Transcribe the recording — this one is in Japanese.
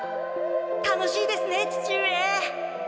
楽しいですね父上！